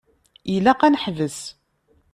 Ilaq ad neḥbes.